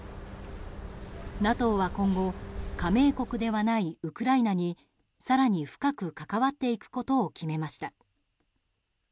ＮＡＴＯは今後加盟国ではないウクライナに更に深く関わっていくことを決めました。